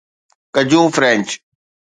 ڪجون French